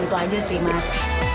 itu saja sih mas